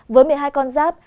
với một mươi hai con giáp